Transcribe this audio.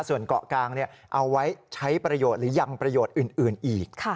ส่วนเกาะกลางเอาไว้ใช้ประโยชน์หรือยังประโยชน์อื่นอีก